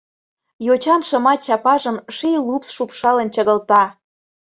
Йочан шыма чапажым Ший лупс шупшалын чыгылта.